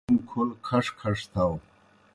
مُلوئے توموْ کھول کھݜ کھݜ تھاؤ۔